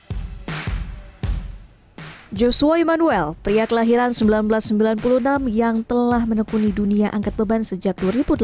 joshua immanuel pria kelahiran seribu sembilan ratus sembilan puluh enam yang telah menekuni dunia angkat beban sejak dua ribu delapan belas